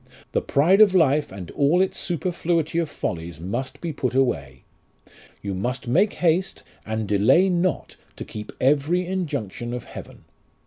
The pride of life and all its superfluity of follies must be put away. You must make haste and delay not to keep every injunction of heaven.